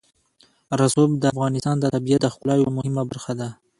رسوب د افغانستان د طبیعت د ښکلا یوه مهمه برخه ده.